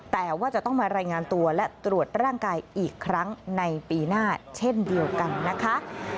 แต่ว่าจะต้องมารายงานตัวและตรวจร่างกายอีกครั้งในปีหน้าเช่นเดียวกันนะคะ